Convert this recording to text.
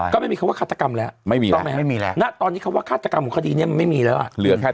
ก็ไม่มีความฆาตกรรมแล้ว